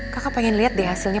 kakak pengen lihat deh hasilnya